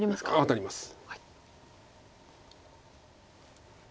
当たります。